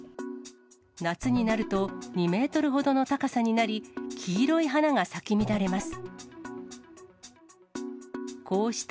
夏になると２メートルほどの高さになり、黄色い花が咲き乱れます。